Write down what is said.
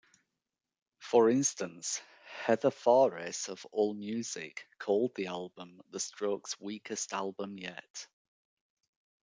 For instance, Heather Phares of AllMusic called the album the Strokes' weakest album yet.